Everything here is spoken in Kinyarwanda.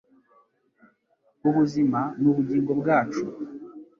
Ubuzima n ubugingo bwacu